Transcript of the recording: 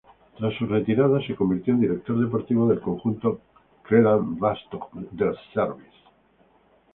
Tras su retirada se convirtió en director deportivo del conjunto Crelan-Vastgoedservice.